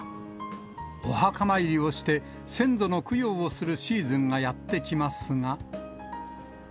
お墓参りをして、先祖の供養をするシーズンがやって来ますが。